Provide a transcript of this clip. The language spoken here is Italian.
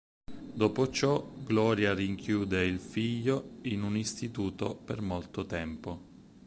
Dopo ciò Gloria rinchiude il figlio in un istituto per molto tempo.